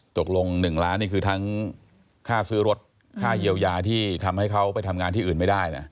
ตกลง๑ล้านนี่คือทั้งค่าซื้อรถค่าเยียวยาที่ทำให้เขาไปทำงานที่อื่นไม่ได้นะ